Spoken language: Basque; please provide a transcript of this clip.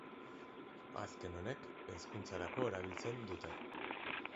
Azken honek, hezkuntzarako erabiltzen dute.